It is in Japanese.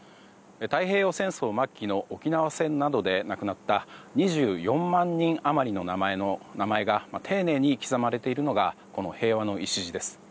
太平洋戦争末期の沖縄戦などで亡くなった２４万人余りの名前が丁寧に刻まれているのがこの平和の礎です。